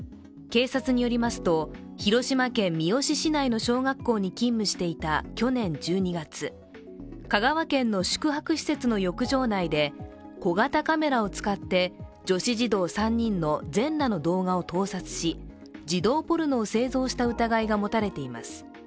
警察によりますと、広島県三次市内の小学校に勤務していた去年１２月、香川県の宿泊施設の浴場内で小型カメラを使って女子児童３人の全裸の動画を盗撮し児童ポルノを製造した疑いが持たれています。